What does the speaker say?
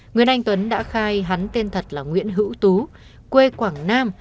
nguyễn anh tuấn đã khai hắn tên thật là nguyễn hữu tú quê quảng nam